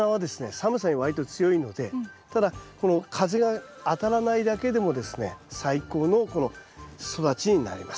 寒さに割と強いのでただこの風が当たらないだけでもですね最高の育ちになります。